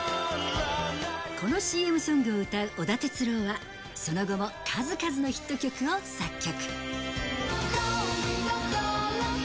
このＣＭソングを歌う織田哲郎は、その後も数々のヒット曲を作曲。